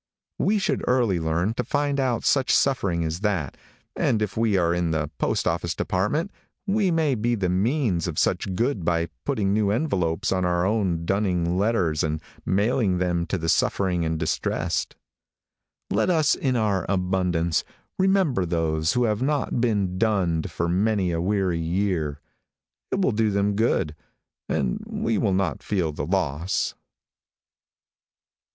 We should early learn to find put such suffering as that, and if we are in the postoffice department we may be the means of much good by putting new envelopes on our own dunning letters and mailing them to the suffering and distressed. Let us, in our abundance, remember those who have not been dunned for many a weary year. It will do them good, and we will not feel the loss.